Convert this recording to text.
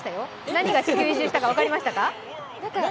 何が地球一周したか分かりました？